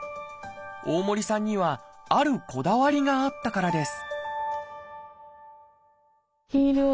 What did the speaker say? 大森さんにはあるこだわりがあったからです